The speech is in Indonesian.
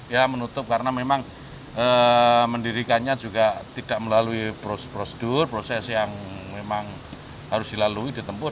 ya menutup karena memang mendirikannya juga tidak melalui prosedur proses yang memang harus dilalui ditempuh